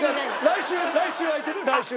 来週来週。